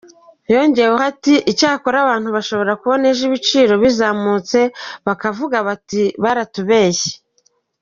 Yongeyeho ati “Icyakora abantu bashobora kubona ejo ibiciro bizamutse bakavuga bati ‘baratubeshye’.